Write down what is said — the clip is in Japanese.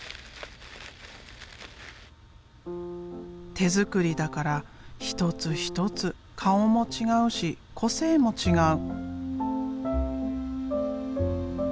手作りだから一つ一つ顔も違うし個性も違う。